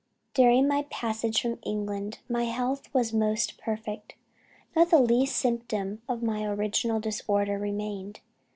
"During my passage from England my health was most perfect, not the least symptom of my original disorder remained.